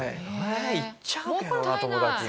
言っちゃうけどな友達に。